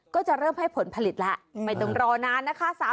ก็จะเริ่มให้ผลผลิตแล้วไม่ต้องรอนานนะคะ